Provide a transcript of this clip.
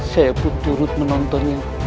saya pun turut menontonnya